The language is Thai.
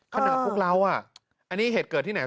พวกเราอ่ะอันนี้เหตุเกิดที่ไหน